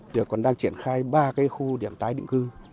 tuyệt còn đang triển khai ba khu điểm tá định cư